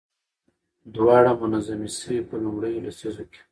دواړه منظمې شوې. په لومړيو لسيزو کې